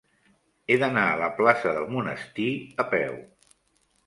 He d'anar a la plaça del Monestir a peu.